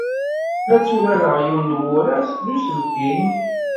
La tturareɣ yiwen n wurar n uselkim.